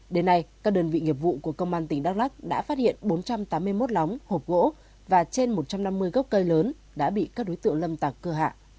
đến nay các đơn vị nghiệp vụ của công an tỉnh đắk lắc đã phát hiện bốn trăm tám mươi một lóng hộp gỗ và trên một trăm năm mươi gốc cây lớn đã bị các đối tượng lâm tạc cưa hạ